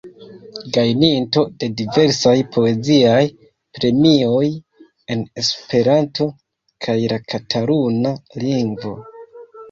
Gajninto de diversaj poeziaj premioj en Esperanto kaj la kataluna lingvo.